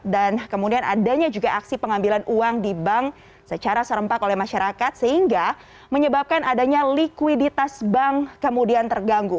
dan kemudian adanya juga aksi pengambilan uang di bank secara serempak oleh masyarakat sehingga menyebabkan adanya likuiditas bank kemudian terganggu